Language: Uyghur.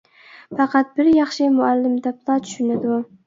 پەقەت بىر ياخشى مۇئەللىم دەپلا چۈشىنىدۇ.